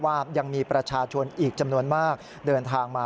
ว่ายังมีประชาชนอีกจำนวนมากเดินทางมา